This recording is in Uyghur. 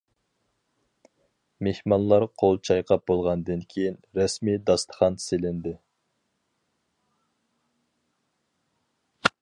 مېھمانلار قول چايقاپ بولغاندىن كېيىن، رەسمىي داستىخان سېلىندى.